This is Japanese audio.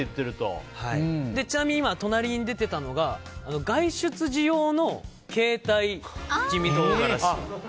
ちなみに隣に出ていたのが外出時用の携帯七味唐辛子。